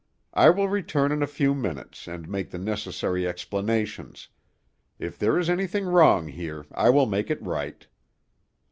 I will return in a few minutes, and make the necessary explanations. If there is anything wrong here, I will make it right."